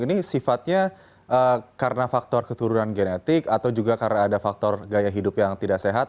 ini sifatnya karena faktor keturunan genetik atau juga karena ada faktor gaya hidup yang tidak sehat